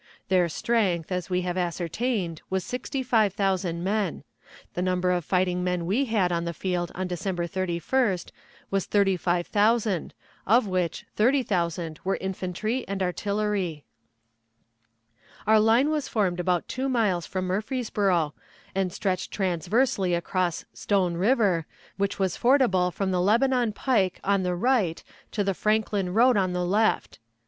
Their strength, as we have ascertained, was 65,000 men. The number of fighting men we had on the field on December 31st was 35,000, of which 30,000 were infantry and artillery. Our line was formed about two miles from Murfreesboro, and stretched transversely across Stone River, which was fordable from the Lebanon pike on the right to the Franklin road on the left.